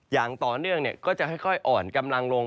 อย่างต่อเนื่องก็จะค่อยอ่อนกำลังลง